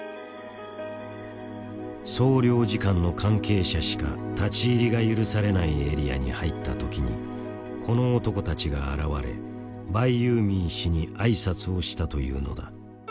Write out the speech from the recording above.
総領事館の関係者しか立ち入りが許されないエリアに入った時にこの男たちが現れバイユーミー氏にあいさつをしたというのだ。